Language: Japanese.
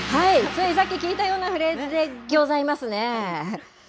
ついさっき聞いたようなフレーズでぎょざいますね。